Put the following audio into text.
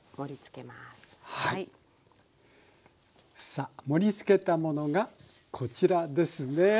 さあ盛りつけたものがこちらですね。